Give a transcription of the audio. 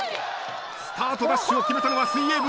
スタートダッシュを決めたのは水泳部。